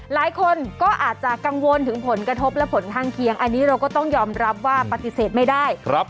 หลายคนก็อาจจะกังวลถึงผลกระทบและผลข้างเคียงอันนี้เราก็ต้องยอมรับว่าปฏิเสธไม่ได้